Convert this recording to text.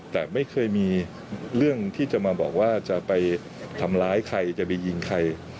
แต่ไม่เคยมีเรื่องที่จะมาบอกว่าจะไปทำร้ายใครจะไปยิงใคร